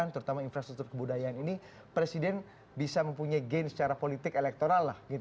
terutama infrastruktur kebudayaan ini presiden bisa mempunyai gain secara politik elektoral lah